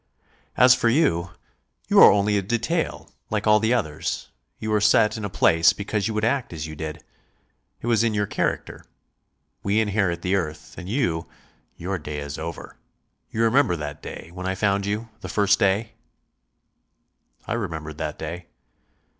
"As for you you are only a detail, like all the others; you were set in a place because you would act as you did. It was in your character. We inherit the earth and you, your day is over.... You remember that day, when I found you the first day?" I remembered that day.